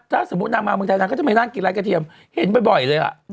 ถ้าสมมุตินางมาเมืองไทยนางก็จะมานั่งกินร้านกระเทียมเห็นบ่อยเลย